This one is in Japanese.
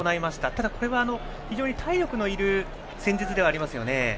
ただこれは非常に体力のいる戦術ではありますよね。